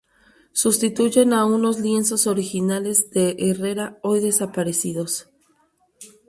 Sustituyen a unos lienzos originales de Herrera hoy desaparecidos.